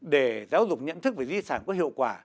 để giáo dục nhận thức về di sản có hiệu quả